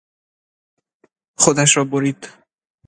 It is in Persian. خودش را برید.